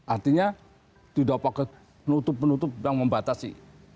artinya tidak pakai penutup penutup yang membatasi